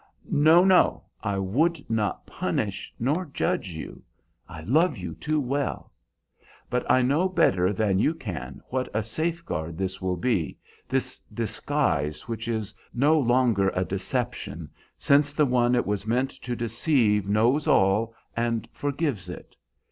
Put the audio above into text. "No, no; I would not punish nor judge you. I love you too well. But I know better than you can what a safeguard this will be, this disguise which is no longer a deception, since the one it was meant to deceive knows all and forgives it.